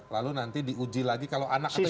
lalu nanti diuji lagi kalau anak atau tidak